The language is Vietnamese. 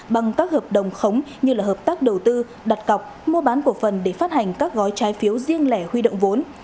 bằng các hợp đồng khống như hợp tác đầu tư đặt cọc mua bán cổ phần để phát hành các gói trái phiếu riêng lẻ huy động vốn